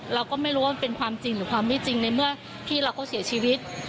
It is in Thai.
เราก็ไม่รู้ว่ามันเป็นความจริงหรือความไม่จริงในเมื่อพี่เราก็เสียชีวิต